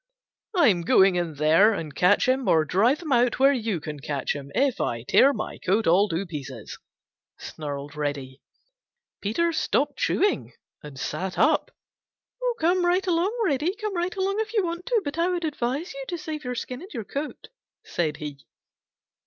"I'm going in there and catch him, or drive him out where you can catch him, if I tear my coat all to pieces!" snarled Reddy. Peter stopped chewing and sat up. "Come right along, Reddy. Come right along if you want to, but I would advise you to save your skin and your coat," said he.